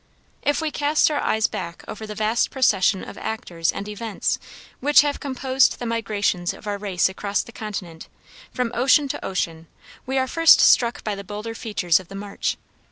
If we cast our eyes back over the vast procession of actors and events which have composed the migrations of our race across the continent, from ocean to ocean, we are first struck by the bolder features of the march.